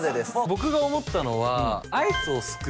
僕が思ったのは。